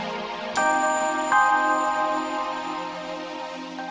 mungkin suatu hari nanti kamu akan jatuh cinta lo